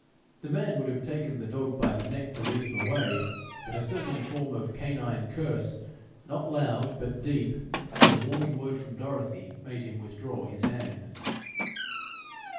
The man would have taken the dog by the neck to lead him away, but a certain form of canine curse, not loud but deep, and a warning word from Dorothy, made him withdraw his hand.